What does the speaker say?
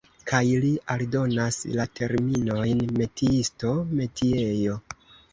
Kaj li aldonas la terminojn "metiisto", "metiejo".